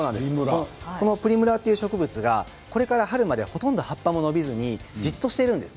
プリムラというお花はこれから、ほとんど冬に葉も伸びずにじっとしているんです。